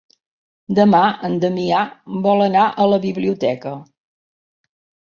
Demà en Damià vol anar a la biblioteca.